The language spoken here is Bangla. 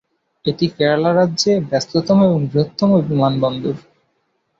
এটি কেরালা রাজ্যে ব্যস্ততম এবং বৃহত্তম বিমানবন্দর।